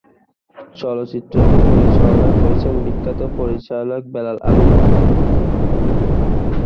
চলচ্চিত্রটি পরিচালনা করেছেন বিখ্যাত পরিচালক বেলাল আহমেদ।